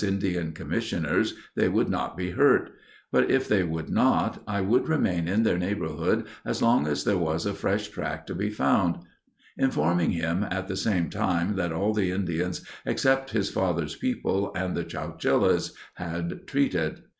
Indian Commissioners, they would not be hurt; but if they would not, I would remain in their neighborhood as long as there was a fresh track to be found; informing him at the same time that all the Indians except his father's people and the Chouchillas had treated....